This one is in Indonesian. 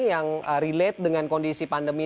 yang relate dengan kondisi pandemi